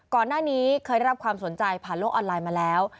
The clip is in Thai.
ก่อนหน้านี้เคยได้รับความสนใจผ่านโลกออนไลน์มาแล้ว